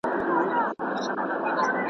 هم ښکنځلي پکښي وسوې هم جنګونه!